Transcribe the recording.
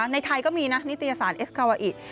ในไทยก็มีนะนิตยสารเอสคาวาอิ